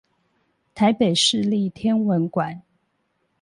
臺北市立天文館